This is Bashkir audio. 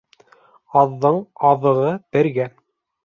Аҙҙың аҙығы бергә.